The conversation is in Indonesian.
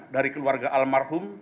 dari keluarga almarhum